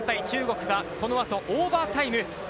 中国はこのあとオーバータイム。